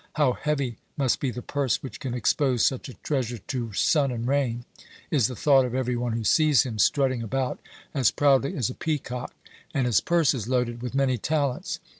'How heavy must be the purse which can expose such a treasure to sun and rain!' is the thought of every one who sees him strutting about as proudly as a peacock. And his purse is loaded with many talents.